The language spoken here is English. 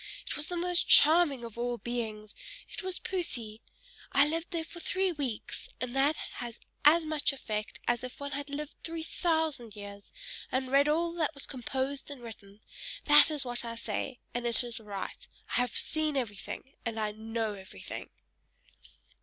"It was the most charming of all beings, it was Poesy! I was there for three weeks, and that has as much effect as if one had lived three thousand years, and read all that was composed and written; that is what I say, and it is right. I have seen everything and I know everything!"